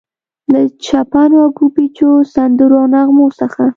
له چپنو او ګوبیچو، سندرو او نغمو څخه.